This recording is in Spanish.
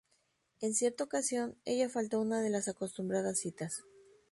En cierta ocasión, ella faltó a una de las acostumbradas citas.